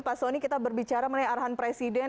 pak soni kita berbicara mengenai arahan presiden